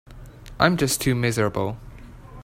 I'm just too miserable.